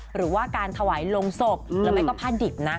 หรือว่าการถวายลงศพหรือไม่ก็ผ้าดิบนะ